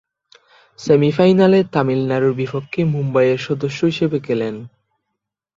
সেমি-ফাইনালে তামিলনাড়ুর বিপক্ষে মুম্বইয়ের সদস্য হিসেবে খেলেন।